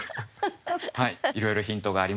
いろいろヒントがありました。